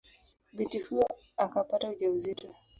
Binti huyo akapata ujauzito.